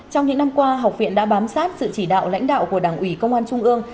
trong những năm qua học viện đã bám sát sự chỉ đạo lãnh đạo của đảng ủy công an trung ương